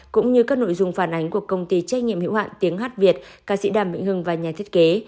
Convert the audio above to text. cũng như các nội dung phản ánh của công ty trách nhiệm hiệu hạn tiếng hát việt ca sĩ đàm vĩnh hưng và nhà thiết kế